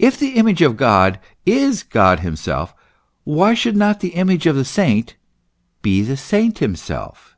If the Image of God is God himself, why should not the image of the saint be the saint himself?